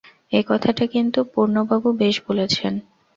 এ কথাটা কিন্তু পূর্ণবাবু বেশ বলেছেন।